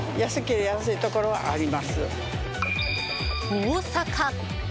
大阪。